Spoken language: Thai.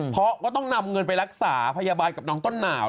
เพราะก็ต้องนำเงินไปรักษาพยาบาลกับน้องต้นหนาว